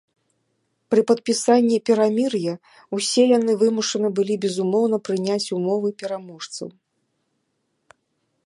Пры падпісанні перамір'я ўсе яны вымушаны былі безумоўна прыняць умовы пераможцаў.